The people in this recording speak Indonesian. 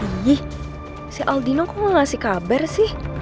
iyih si aldino kok gak ngasih kabar sih